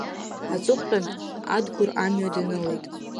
Аҵыхәтәан Адгәыр амҩа данылеит.